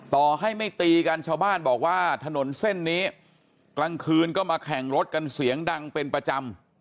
ต่อให้ไม่ตีกันชาวบ้านบอกว่าถนนเส้นนี้กลางคืนก็มาแข่งรถกันเสียงดังเป็นประจำ